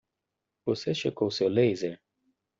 Você checou seu laser?